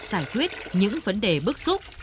giải quyết những vấn đề bức xúc